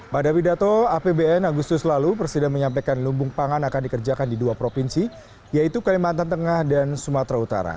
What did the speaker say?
pada pidato apbn agustus lalu presiden menyampaikan lumbung pangan akan dikerjakan di dua provinsi yaitu kalimantan tengah dan sumatera utara